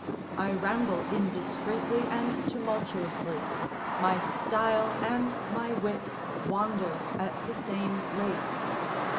I ramble indiscreetly and tumultuously; my style and my wit wander at the same rate.